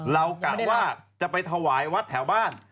กะว่าจะไปถวายวัดแถวบ้าน